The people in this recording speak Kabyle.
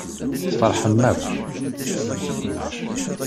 Tfeṛḥem akk.